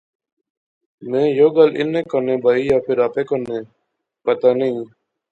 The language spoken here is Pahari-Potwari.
میں یو گل انیں کنے بائی یا فیر آپے کنے بائی، پتہ نی